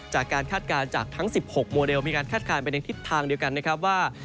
คาดการณ์จากทั้ง๑๖โมเดลมีการคาดการณ์ไปในทิศทางเดียวกันนะครับว่า